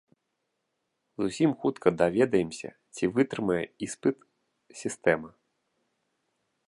Зусім хутка даведаемся, ці вытрымае іспыт сістэма.